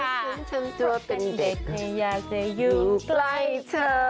ถ้าฉันทำตัวเป็นเด็กอยากจะอยู่ใกล้เธอ